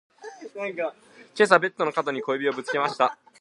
今朝ベッドの角に小指をぶつけました。